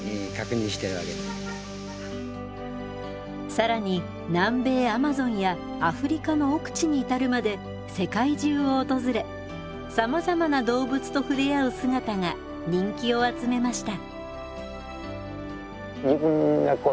更に南米アマゾンやアフリカの奥地に至るまで世界中を訪れさまざまな動物と触れ合う姿が人気を集めました。